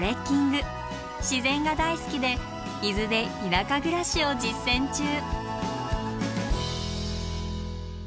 自然が大好きで伊豆で田舎暮らしを実践中。